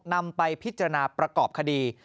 นำไปพิจารณาประกอบคดี